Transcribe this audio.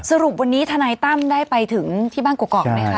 สรุปวันนี้ทนายตั้มได้ไปถึงที่บ้านกรอกไหมคะ